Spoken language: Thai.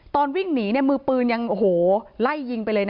ตอนวิ่งหนีมือปืนยังไล่ยิงไปเลย